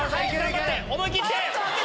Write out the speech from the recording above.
思い切って！